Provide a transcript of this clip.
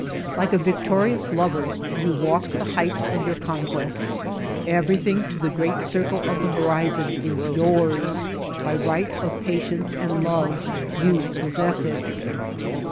Like a victorious lover, you walk the heights of your conquest; everything to the great circle of the horizon is yours; by right of pa tience and love you possess it.